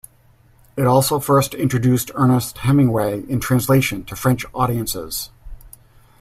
It also first introduced Ernest Hemingway in translation to French audiences.